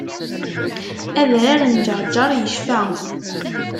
Adrar n Ǧerğer yecfa.